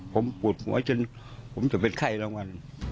ผมปวดหัวจนจะเป็นใครร่างวัล